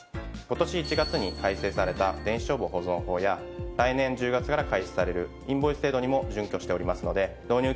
ことし１月に改正された電子帳簿保存法や来年１０月から開始されるインボイス制度にも準拠しておりますので導入